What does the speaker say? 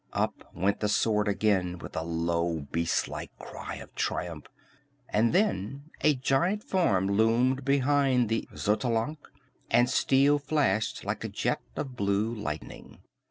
Up went the sword again, with a low, beast like cry of triumph and then a giant form loomed behind the Xotalanc and steel flashed like a jet of blue lightning.